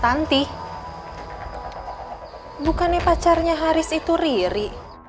tanti bukannya pacarnya haris itu riri